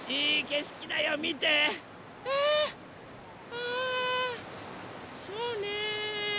ああそうね。